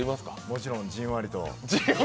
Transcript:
もちろん、じんわりと。